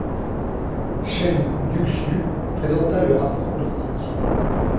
Chen Duxiu présenta le rapport politique.